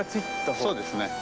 そうですね。